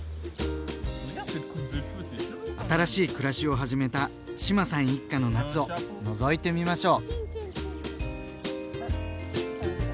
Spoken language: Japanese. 新しい暮らしを始めた志麻さん一家の夏をのぞいてみましょう。